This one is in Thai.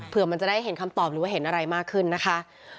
เพื่อมันจะได้เห็นคำตอบหรือว่าเห็นอะไรมากขึ้นนะคะ